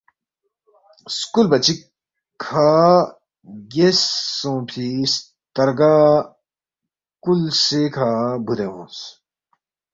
سکُولبا چِک کھا گیس سونگفی سترگہ کُل سے کھہ بُودے اونگس